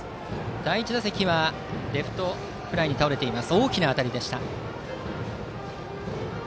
第１打席はレフトフライに倒れています。